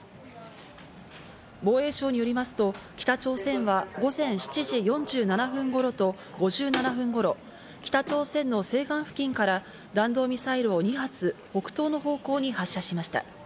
防衛省によりますと、北朝鮮は午前７時４７分頃と５７分頃、北朝鮮の西岸付近から、弾道ミサイルを２発、北東の方向に発射しました。